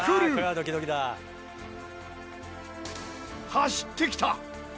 走ってきた！